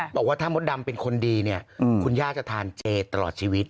บอกว่าถ้ามดดำเป็นคนดีเนี่ยคุณย่าจะทานเจตลอดชีวิต